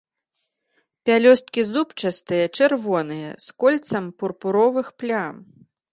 Пялёсткі зубчастыя, чырвоныя, з кольцам пурпуровых плям.